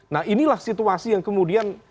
nah inilah situasi yang kemudian